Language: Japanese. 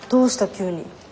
急に。